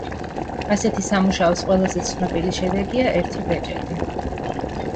ასეთი სამუშაოს ყველაზე ცნობილი შედეგია ერთი ბეჭედი.